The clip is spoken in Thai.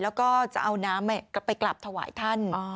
แล้วก็จะเอาน้ำกลับไปกลับถวายท่าน